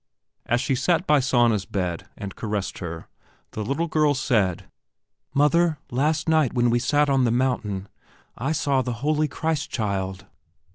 As she sat by Sanna's bed and caressed her, the little girl said: "Mother, last night, when we sat on the mountain, I saw the holy Christ child."